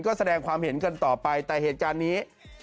ก็แสดงความเห็นกันต่อไปแต่เหตุการณ์นี้